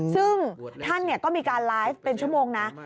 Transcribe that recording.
ซึ่งท่านก็มีการไลฟ์เป็นชั่วโมงนะ